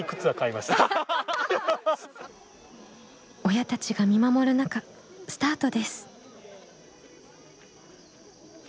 親たちが見守る中スタートです。